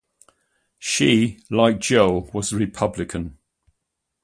She like, Joel, was a Republican.